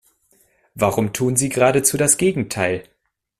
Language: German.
Warum tun sie geradezu das Gegenteil?